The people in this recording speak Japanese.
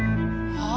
ああ。